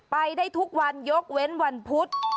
ไปได้ทุกวันยกเว้นวันพุธ